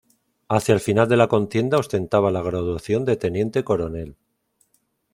Hacia el final de la contienda ostentaba la graduación de teniente coronel.